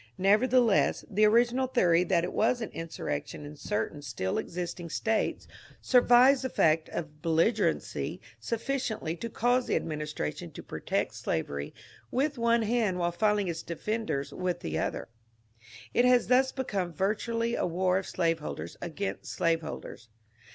Nevertheless the original theory that it was an insurrection in certain still existing States survives the fact of belligerency sufficiently to cause the administration to protect slavery with one hand while fighting its defenders with the other. It has thus be come virtually a war of slaveholders against slaveholders.